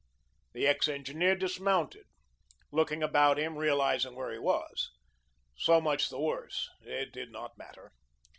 The ex engineer dismounted, looking about him, realising where he was. So much the worse; it did not matter.